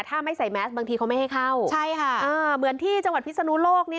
ถ้าไม่ใส่แมสบางทีเขาไม่ให้เข้าใช่ค่ะอ่าเหมือนที่จังหวัดพิศนุโลกนี่